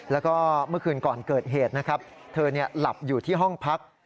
แล้วก็เมื่อคืนก่อนเกิดเหตุนะครับเธอหลับอยู่ที่ห้องพัก